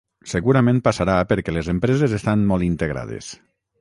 Segurament passarà perquè les empreses estan molt integrades.